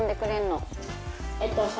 えっとさ。